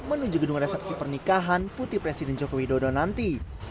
menuju gedung resepsi pernikahan putri presiden joko widodo nanti